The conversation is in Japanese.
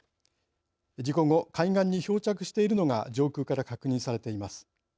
事故後、海岸に漂着しているのが上空から確認されています。